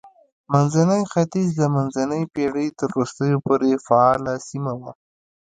منځنی ختیځ د منځنۍ پېړۍ تر وروستیو پورې فعاله سیمه وه.